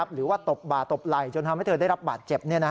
ตบบ่าตบไหล่จนทำให้เธอได้รับบาดเจ็บ